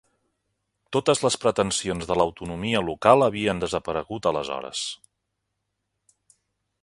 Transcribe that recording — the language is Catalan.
Totes les pretensions de l'autonomia local havien desaparegut aleshores.